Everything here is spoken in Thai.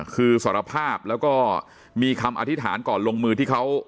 คือสารภาพแล้วก็มีคำอธิษฐานก่อนลงมือที่เขา